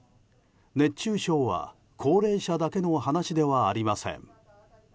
熱中症は高齢者だけの話ではありません。